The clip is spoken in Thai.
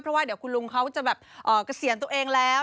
เพราะว่าเดี๋ยวคุณลุงเขาจะแบบเกษียณตัวเองแล้ว